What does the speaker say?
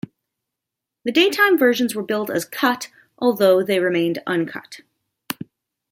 The daytime versions were billed as 'cut', although, they remained uncut.